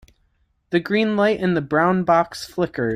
The green light in the brown box flickered.